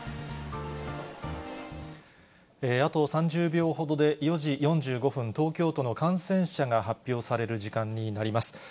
あと３０秒ほどで、４時４５分、東京都の感染者が発表される時間になります。